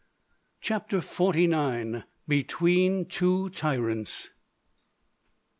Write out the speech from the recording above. CHAPTER FORTY NINE. BETWEEN TWO TYRANTS.